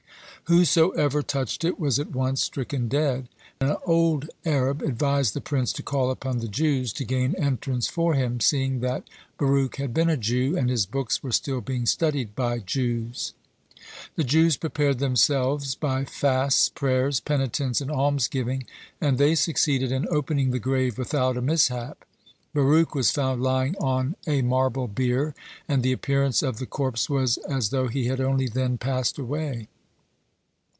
Whosoever touched it, was at once stricken dead. An old Arab advised the prince to call upon the Jews to gain entrance for him, seeing that Baruch had been a Jew, and his books were still being studied by Jews. The Jews prepared themselves by fasts, prayers, penitence, and almsgiving, and they succeeded in opening the grave without a mishap. Baruch was found lying on marble bier, and the appearance of the corpse was as though he had only then passed away.